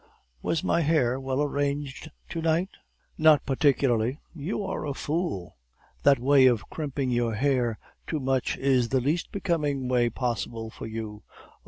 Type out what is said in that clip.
Was my hair well arranged to night?' "'Not particularly.' "'You are a fool!' "'That way of crimping your hair too much is the least becoming way possible for you.